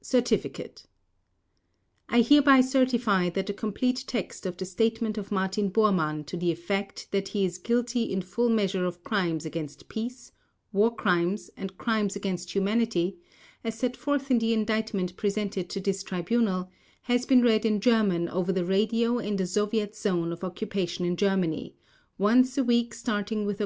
Certificate I hereby certify that the complete text of the statement of Martin Bormann to the effect that he is guilty in full measure of crimes against peace, war crimes and crimes against humanity, as set forth in the Indictment presented to this Tribunal, has been read in German over the radio in the Soviet zone of occupation in Germany once a week starting with Oct.